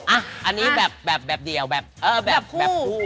อ้าอันนี้แบบเดี่ยวเออแบบคู่